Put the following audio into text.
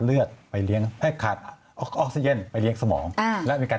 เลือดไปเลี้ยงให้ขาดออกซิเจนไปเลี้ยงสมองอ่าและมีการ